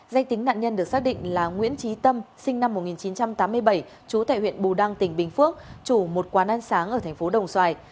danh tính nạn nhân được xác định là nguyễn trí tâm sinh năm một nghìn chín trăm tám mươi bảy trú tại huyện bù đăng tỉnh bình phước chủ một quán ăn sáng ở thành phố đồng xoài